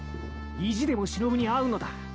意地でもしのぶに会うのだ。